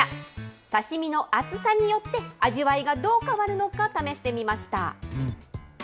刺身の厚さによって、味わいがどう変わるのか試してみました。